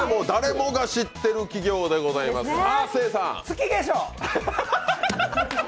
誰もが知っている企業でございます。